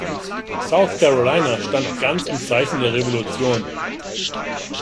South Carolina stand ganz im Zeichen der Revolution.